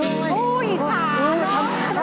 อุ๊ยอิจฉาว